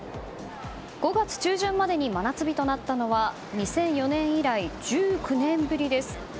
５月中旬までに真夏日となったのは２００４年以来１９年ぶりです。